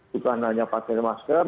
bukan hanya pakai masker